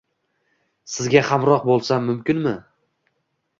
Sizga hamroh bo’lsam mumkinmi?